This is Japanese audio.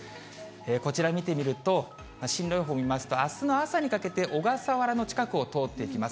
こちら見てみると、進路予報見ますと、あすの朝にかけて、小笠原の近くを通っていきます。